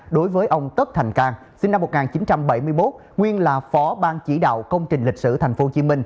đối với ông tất thành cang sinh năm một nghìn chín trăm bảy mươi một nguyên là phó ban chỉ đạo công trình lịch sử tp hcm